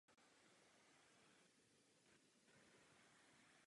Sídlo arcidiecéze se nachází v Avignonu.